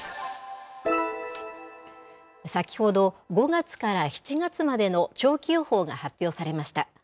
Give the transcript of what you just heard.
先ほど、５月から７月までの長期予報が発表されました。